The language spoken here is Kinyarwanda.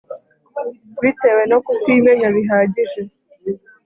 bitewe no kutimenya bihagije